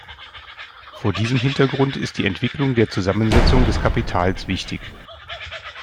Vor diesem Hintergrund ist die Entwicklung der Zusammensetzung des Kapitals wichtig.